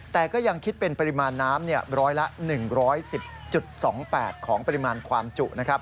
แต่ก็ยังคิดเป็นปริมาณน้ำร้อยละ๑๑๐๒๘ของปริมาณความจุนะครับ